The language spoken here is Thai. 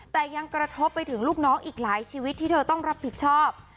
แต่ยังกระทบไปถึงลูกน้องอีกหลายชีวิตที่เธอต้องรับผิดชอบ